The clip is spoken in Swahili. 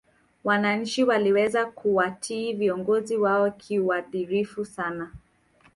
wananchi waliweza kuwatii viongozi wao kiuadirifu sana